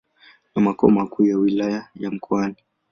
na makao makuu ya Wilaya ya Mkoani.